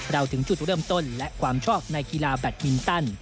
ถึงจุดเริ่มต้นและความชอบในกีฬาแบตมินตัน